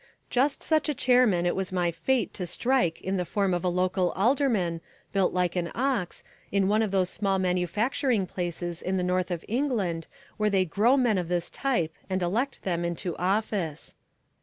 Just such a chairman it was my fate to strike in the form of a local alderman, built like an ox, in one of those small manufacturing places in the north of England where they grow men of this type and elect them into office.